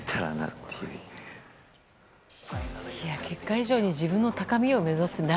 結果以上に自分の高みを目指す。